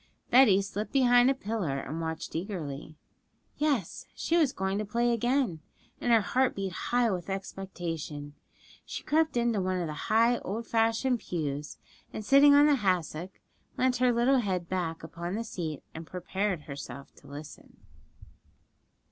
Betty slipped behind a pillar, and watched eagerly. Yes, she was going to play again; and her heart beat high with expectation. She crept into one of the high, old fashioned pews, and sitting on a hassock, leant her little head back upon the seat, and prepared herself to listen.